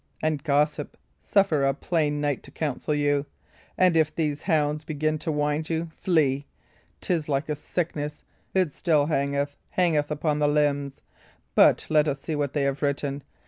And, gossip, suffer a plain knight to counsel you; and if these hounds begin to wind you, flee! 'Tis like a sickness it still hangeth, hangeth upon the limbs. But let us see what they have written.